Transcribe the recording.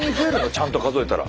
ちゃんと数えたら。